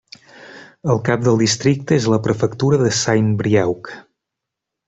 El cap del districte és la prefectura de Saint-Brieuc.